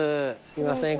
すいません